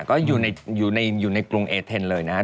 ก็อยู่ในกรุงเอเทนเลยนะครับ